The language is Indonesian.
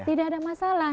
tidak ada masalah